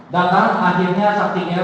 datang akhirnya saksi gr